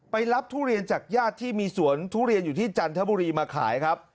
รับทุเรียนจากญาติที่มีสวนทุเรียนอยู่ที่จันทบุรีมาขายครับ